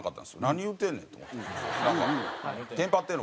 何言うてんねんと思って。